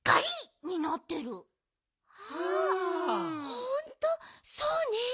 ほんとそうね。